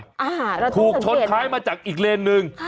อ่าเราต้องสังเกตถูกชนท้ายมาจากอีกเลนหนึ่ง